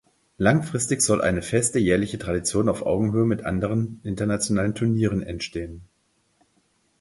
Langfristig soll so eine feste jährliche Tradition auf Augenhöhe mit anderen internationalen Turnieren entstehen.